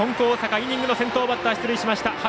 大阪、イニングの先頭バッター、出塁しました。